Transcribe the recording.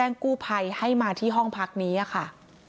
แจ้งกู้ภัยให้มาที่ห้องหอพักนี้อะค่ะ